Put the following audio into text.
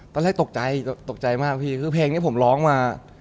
ตอนแรกตกใจตกใจมากพี่คือเพลงนี้ผมร้องมา